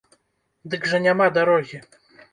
Дык жа няма дарогі.